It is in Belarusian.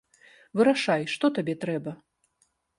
Вырашай, што табе трэба.